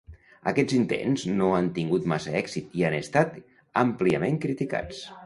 Aquests intents no han tingut massa èxit i han estat àmpliament criticats.